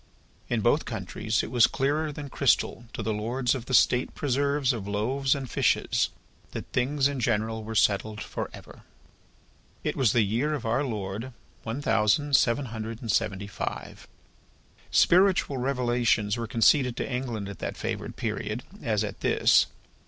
In both countries it was clearer than crystal to the lords of the State preserves of loaves and fishes, that things in general were settled for ever. It was the year of Our Lord one thousand seven hundred and seventy five. Spiritual revelations were conceded to England at that favoured period, as at this.